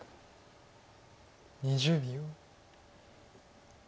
２０秒。